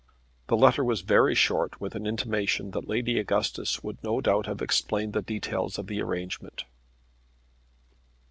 The letter was very short with an intimation that Lady Augustus would no doubt have explained the details of the arrangement.